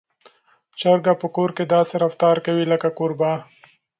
چرګه په کور کې داسې رفتار کوي لکه کوربه.